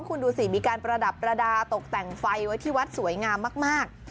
คุณดูสิมีการประดับประดาษตกแต่งไฟไว้ที่วัดสวยงามมาก